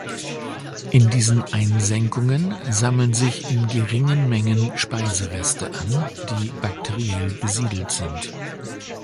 In diesen Einsenkungen sammeln sich in geringen Mengen Speisereste an, die bakteriell besiedelt sind.